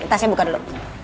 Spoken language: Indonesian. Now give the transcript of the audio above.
tasnya buka dulu